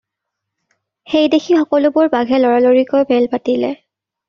সেইদেখি সকলোবোৰ বাঘে লৰালৰিকৈ মেল পাতিলে।